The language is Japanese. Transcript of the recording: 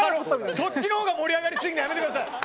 そっちの方が盛り上がりすぎるのやめてください。